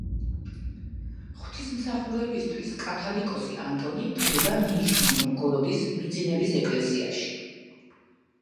ღვთისმსახურებისთვის კათოლიკოსი ანტონი დგება ნიჟნი–ნოვგოროდის მიძინების ეკლესიაში.